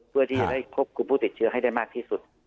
เพื่อที่จะได้ควบคุมผู้ติดเชื้อให้ได้มากที่สุด